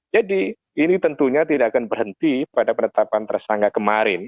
jadi ini tentunya tidak akan berhenti pada penetapan tersangka kemarin